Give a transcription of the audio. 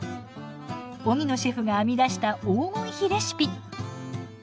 荻野シェフが編み出した黄金比レシピ。